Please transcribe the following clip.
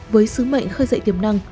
với sứ mệnh khơi dậy tiềm năng